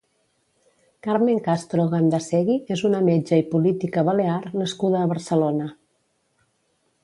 Carmen Castro Gandasegui és una metge i política balear nascuda a Barcelona.